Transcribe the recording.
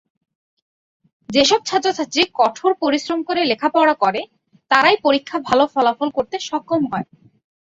যেসব ছাত্রছাত্রী কঠোর পরিশ্রম করে লেখাপড়া করে তারাই পরীক্ষা ভালো ফলাফল করতে সক্ষম হয়।